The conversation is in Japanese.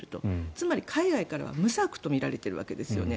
つまり、海外からは無策と見られているわけですよね。